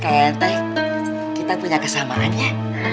kayak ente kita punya kesamaannya